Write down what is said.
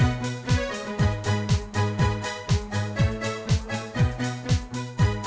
iya terima kasih bu